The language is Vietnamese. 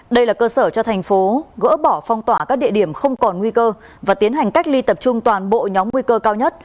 đây là cơ sở cho thành phố gỡ bỏ phong tỏa các địa điểm không còn nguy cơ và tiến hành cách ly tập trung toàn bộ nhóm nguy cơ cao nhất